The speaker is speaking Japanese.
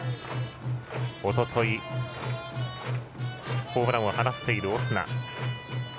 おととい、ホームランを放っているオスナ。